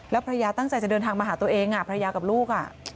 ภรรยาตั้งใจจะเดินทางมาหาตัวเองภรรยากับลูก